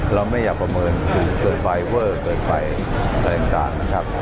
เราไม่อยากประเมินถึงเกิดไปเวิร์ดเกิดไปแปลงการนะครับ